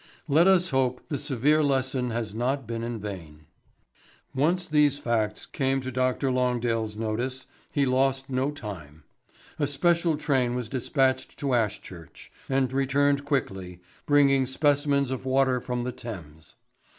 Let us hope the severe lesson has not been in vain. "Once these facts came to Dr. Longdale's notice, he lost no time. A special train was dispatched to Ashchurch, and returned quickly, bringing specimens of water from the Thames.